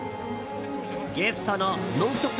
ゲストの「ノンストップ！」